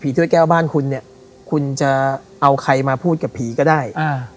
ถ้วยแก้วบ้านคุณเนี่ยคุณจะเอาใครมาพูดกับผีก็ได้อ่า